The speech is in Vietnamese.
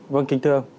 vâng kính thưa